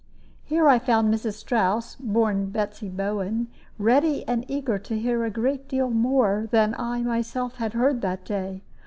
Here I found Mrs. Strouss (born Betsy Bowen) ready and eager to hear a great deal more than I myself had heard that day.